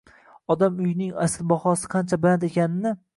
Odam uyning asl bahosi ancha baland ekanini